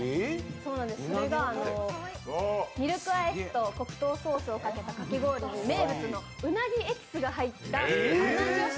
それがミルクアイスと黒糖ソースをかけた名物のうなぎエキスが入った甘じょっ